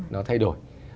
nó thay đổi